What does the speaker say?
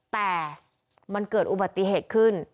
แต่มันเกิดอุบัติเหตุขึ้น